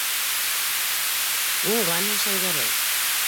Уңғанһың, Шәңгәрәй.